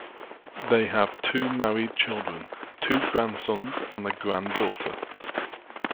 They have two married children, two grandsons, and a granddaughter.